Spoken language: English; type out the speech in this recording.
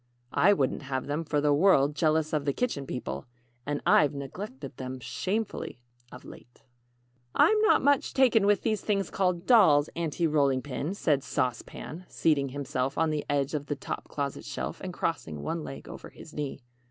("I wouldn't have them, for the world, jealous of the Kitchen People and I've neglected them shamefully of late.") "I'm not much taken with those things called 'dolls,' Aunty Rolling Pin," said Sauce Pan, seating himself on the edge of the top closet shelf, and crossing one leg over his knee.